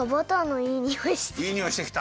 いいにおいしてきた？